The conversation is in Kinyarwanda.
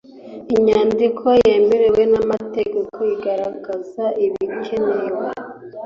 inyandiko yemewe n’amategeko igaragaza ibikenewe.